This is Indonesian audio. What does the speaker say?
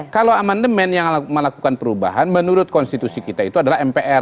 kalau amandemen yang melakukan perubahan menurut konstitusi kita itu adalah mpr